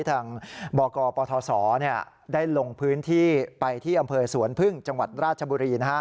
ทางบกปทศได้ลงพื้นที่ไปที่อำเภอสวนพึ่งจังหวัดราชบุรี